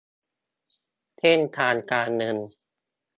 เส้นทางการเงิน